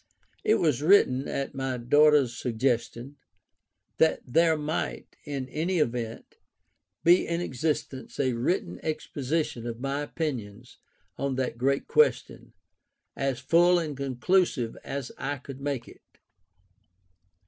_ It was written [at my daughter's suggestion] that there might, in any event, be in existence a written exposition of my opinions on that great question, as full and conclusive as I could make it.